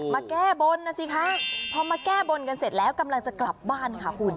แก้บนนะสิคะพอมาแก้บนกันเสร็จแล้วกำลังจะกลับบ้านค่ะคุณ